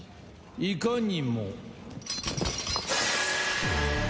いかにも。